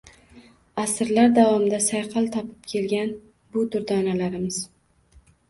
Asrlar davomida sayqal topib kelgan bu durdonalarimiz